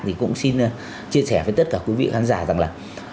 thì cũng xin chia sẻ với tất cả quý vị khán giả rằng là